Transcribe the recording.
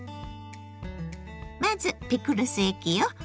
まずピクルス液よ。